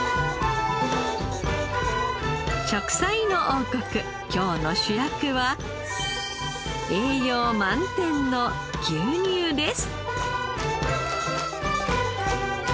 『食彩の王国』今日の主役は栄養満点の牛乳です。